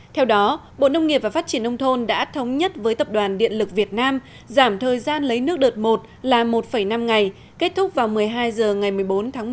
theo đó bộ nông nghiệp và phát triển nông thôn đã thống nhất với tập đoàn điện lực việt nam giảm thời gian lấy nước đợt một là một năm ngày kết thúc vào một mươi hai h ngày một mươi bốn tháng một